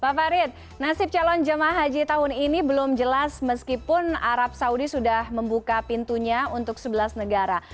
pak farid nasib calon jemaah haji tahun ini belum jelas meskipun arab saudi sudah membuka pintunya untuk sebelas negara